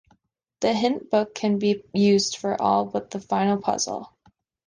The hint book can be used for all but the final puzzle.